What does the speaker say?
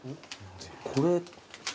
これ。